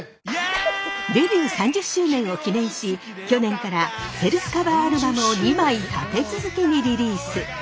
デビュー３０周年を記念し去年からセルフカバーアルバムを２枚立て続けにリリース。